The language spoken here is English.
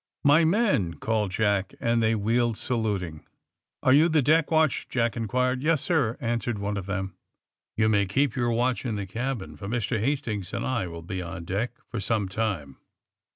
*'My men!" called Jack, and they wheeled, saluting. Are you the deck watch?" Jack inquired. Yes, sir," answered one of them. You may keep your watch in the cabin, for Mr. Hastings and I will be on deck for some time.